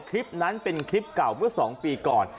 คลิปนั้นเป็นคลิปเก่าเมื่อ๒ปีก่อน